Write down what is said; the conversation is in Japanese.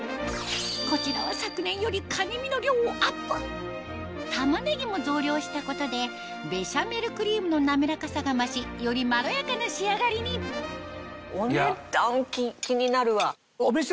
こちらは昨年より玉ねぎも増量したことでベシャメルクリームの滑らかさが増しよりまろやかな仕上がりにお値段気になるわ。